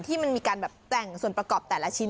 ที่มันมีการแบบแต่งส่วนประกอบแต่ละชิ้น